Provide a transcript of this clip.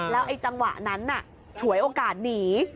แล้วไอ้จังหวะนั้นฉวยโอกาสหนี